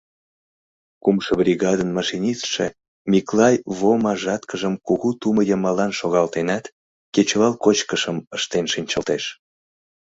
Кумшо бригадын машинистше Миклай Вома жаткыжым кугу тумо йымалан шогалтенат, кечывал кочкышым ыштен шинчылтеш.